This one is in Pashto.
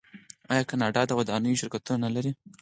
آیا کاناډا د ودانیو شرکتونه نلري؟